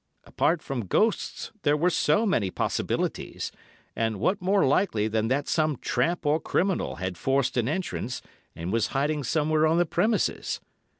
Apart from ghosts there were so many possibilities, and what more likely than that some tramp or criminal had forced an entrance, and was hiding somewhere on the premises.